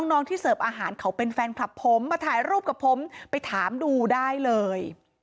น้องที่เสิร์ฟอาหารเขาเป็นแฟนคลับผมมาถ่ายรูปกับผมไปถามดูได้เลย